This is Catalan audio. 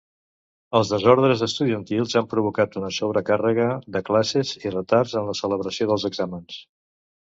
Els desordres estudiantils han provocat una sobrecàrrega de classes i retards en la celebració dels exàmens.